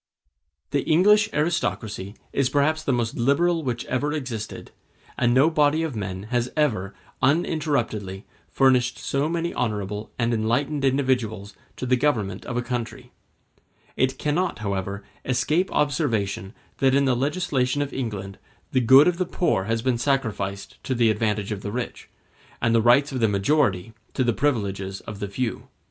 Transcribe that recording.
The English aristocracy is perhaps the most liberal which ever existed, and no body of men has ever, uninterruptedly, furnished so many honorable and enlightened individuals to the government of a country. It cannot, however, escape observation that in the legislation of England the good of the poor has been sacrificed to the advantage of the rich, and the rights of the majority to the privileges of the few.